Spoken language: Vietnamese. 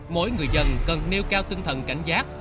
mỗi người dân cần nêu cao tinh thần cảnh giác